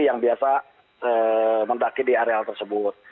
yang biasa mendaki di areal tersebut